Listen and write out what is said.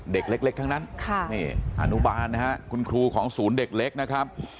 เด็กเล็กทั้งนั้นอนุบาลนะฮะคุณครูของศูนย์เด็กเล็กนะครับ